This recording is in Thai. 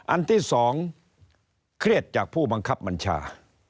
อันที่๒เครียดจากผู้บังคับบัญชา